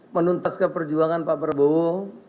menuntas ke perjuangan pak prabowo